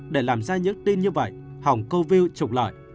để làm ra những tin như vậy hỏng câu view trục lợi